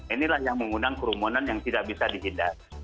inilah yang mengundang kerumunan yang tidak bisa dihindari